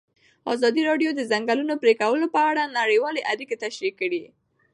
ازادي راډیو د د ځنګلونو پرېکول په اړه نړیوالې اړیکې تشریح کړي.